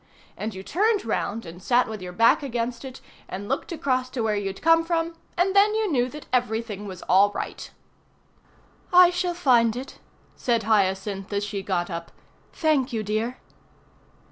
And you turned round and sat with your back against it, and looked across to where you'd come from, and then you knew that everything was all right. "I shall find it," said Hyacinth, as she got up. "Thank you, dear."